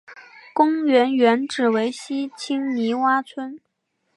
公园原址为西青泥洼村。